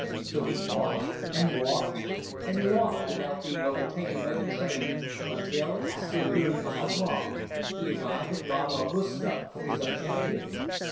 So he walked and walked and walked without being overtaken by the train until, after a thirty mile walk, he arrived in Rawa Ruska, his objective.